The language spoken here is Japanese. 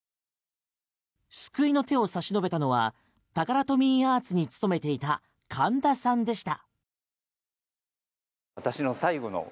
救いの手を差し伸べたのはタカラトミーアーツに勤めていた神田さんでした。